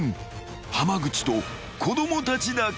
［濱口と子供たちだけ］